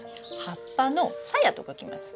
葉っぱの鞘と書きます。